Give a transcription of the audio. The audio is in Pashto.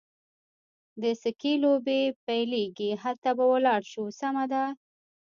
د سکې لوبې پیلېږي، هلته به ولاړ شو، سمه ده.